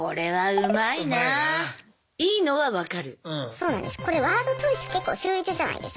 そうなんです。